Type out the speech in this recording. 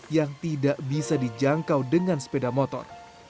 yang tidak bisa dijangkau dengan sepeda motor